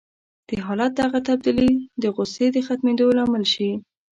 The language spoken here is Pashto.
د حالت دغه تبديلي د غوسې د ختمېدو لامل شي.